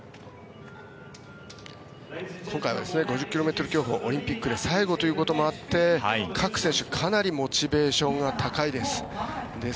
今回は５０ｋｍ競歩オリンピックで最後ということもあって各選手かなりモチベーションが高いです。